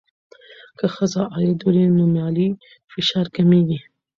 که ښځه عاید ولري، نو مالي فشار کمېږي.